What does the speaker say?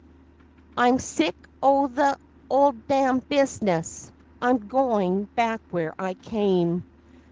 I'm sick o' the 'ole dam' business; I'm going back where I came.